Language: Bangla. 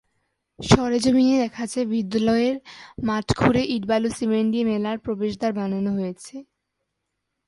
সরেজমিনে দেখা যায়, বিদ্যালয়ের মাঠ খুঁড়ে ইট-বালু-সিমেন্ট দিয়ে মেলার প্রবেশদ্বার বানানো হয়েছে।